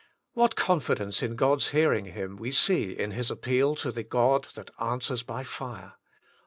What confidence in God^s hearing him we see in his appeal to the God that answers by fire.